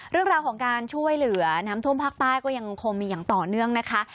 เรื่องราวของการช่วยเหลือน้ำท่วมภาคใต้ก็ยังคงมีอย่างต่อเนื่องนะคะ